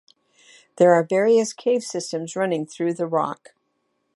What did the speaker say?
There are various cave systems running through the rock.